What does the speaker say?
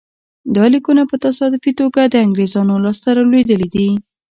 دا لیکونه په تصادفي توګه د انګرېزانو لاسته لوېدلي دي.